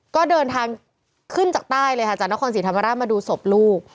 ก็เดินทางขึ้นจากใต้เลยค่ะจากนครศรีธรรมราชมาดูศพลูก